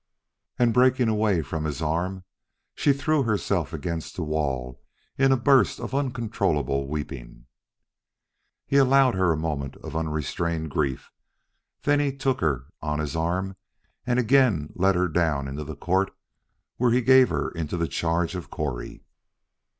And breaking away from his arm, she threw herself against the wall in a burst of uncontrollable weeping. He allowed her a moment of unrestrained grief, then he took her on his arm again and led her down into the court where he gave her into the charge of Correy.